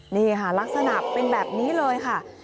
นี่ค่ะลักษณะเป็นแบบนี้เลยค่ะ